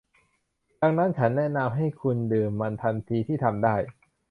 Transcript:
ดังนั้น ฉันแนะนำให้คุณดื่มมันทันทีที่ทำได้